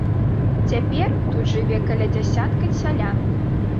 Цяпер тут жыве каля дзясятка сялян.